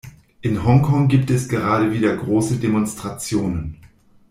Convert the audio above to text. In Hongkong gibt es gerade wieder große Demonstrationen.